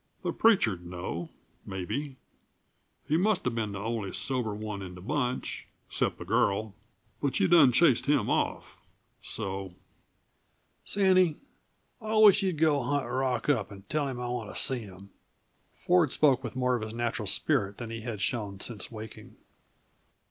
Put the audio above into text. The preacher'd know, maybe. He musta been the only sober one in the bunch except the girl. But you done chased him off, so " "Sandy, I wish you'd go hunt Rock up and tell him I want to see him." Ford spoke with more of his natural spirit than he had shown since waking.